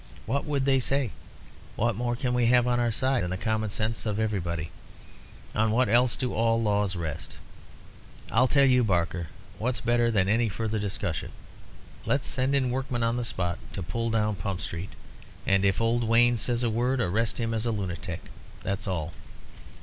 What would they say? What more can we have on our side than the common sense of everybody? On what else do all laws rest? I'll tell you, Barker, what's better than any further discussion. Let's send in workmen on the spot to pull down Pump Street. And if old Wayne says a word, arrest him as a lunatic. That's all."